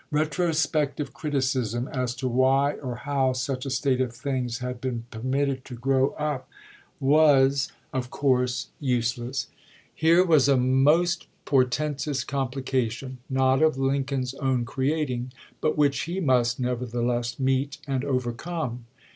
Eetrospective criticism as to why or how such a state of things had been permitted to grow up was, 378 ABRAHAM LINCOLN ch. xxiii. of course, useless. Here was a most portentous complication, not of Lincoln's own creating, but which he must nevertheless meet and overcome.